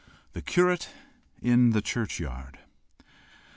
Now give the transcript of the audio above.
THE CURATE IN THE CHURCHYARD.